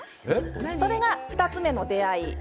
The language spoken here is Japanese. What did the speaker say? それが２つ目の出会い。